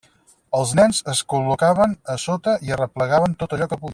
Els nens es col·locaven a sota i arreplegaven tot allò que podien.